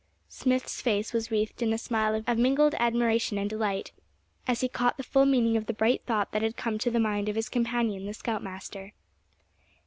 Smith's face was wreathed in a smile of mingled admiration and delight as he caught the full meaning of the bright thought that had come to the mind of his companion, the scout master.